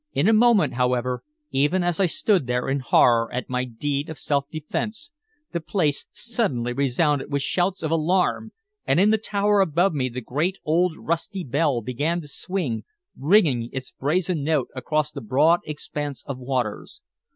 In a moment, however, even as I stood there in horror at my deed of self defense, the place suddenly resounded with shouts of alarm, and in the tower above me the great old rusty bell began to swing, ringing its brazen note across the broad expanse of waters.